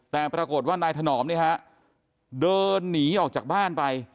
แต่ปรากฏว่านายถนอมเนี่ยฮะเดินหนีออกจากบ้านไป